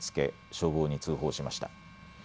消防に通報しました。